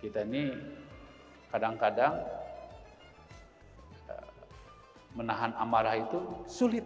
kita ini kadang kadang menahan amarah itu sulit